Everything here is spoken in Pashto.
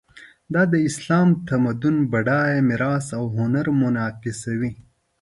دا د اسلامي تمدن بډایه میراث او هنر منعکسوي.